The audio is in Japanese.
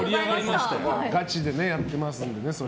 ガチでやってますんで。